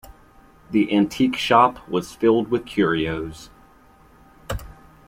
The antique shop was filled with curios.